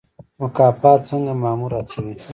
مکافات څنګه مامور هڅوي؟